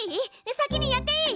先にやっていい？